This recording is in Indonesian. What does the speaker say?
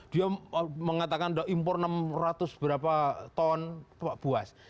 dia mengatakan impor enam ratus berapa ton kepak buas